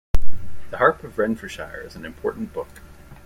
The Harp of Renfrewshire is an important book.